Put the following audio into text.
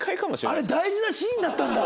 あれ大事なシーンだったんだ。